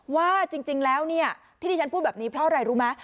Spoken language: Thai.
ว่าจริงแล้วเนี่ยที่ที่ฉันพูดแบบนี้เพราะอะไรรู้ไหม